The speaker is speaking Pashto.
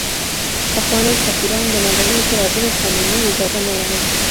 پخواني سفیران د مدني اعتراضونو قانوني اجازه نه لري.